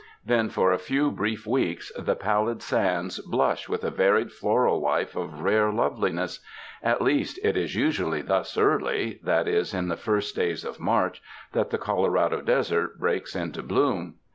Then for a few brief weeks, the pallid sands blush with a varied floral life of rare loveliness. At least it is usually thus early — that is, in the first days of March — that the Colorado Desert breaks into bloom.